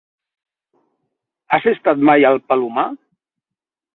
Has estat mai al Palomar?